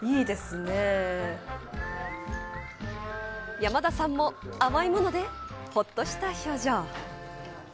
ヤマダさんも甘いものでほっとした表情。